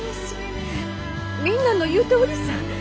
みんなの言うとおりさ。